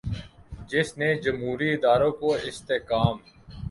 جس نے جمہوری اداروں کو استحکام